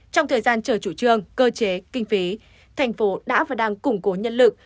trong thời gian chờ chủ trương cơ chế kinh phí thành phố đã và đang củng cố nhân lực